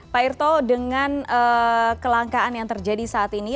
pak irto dengan kelangkaan yang terjadi saat ini